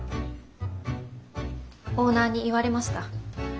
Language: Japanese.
オーナーに言われました。